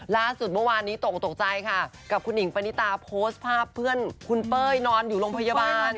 ล่าสุดเมื่อวานนี้ตกตกใจค่ะกับคุณหิงปณิตาโพสต์ภาพเพื่อนคุณเป้ยนอนอยู่โรงพยาบาล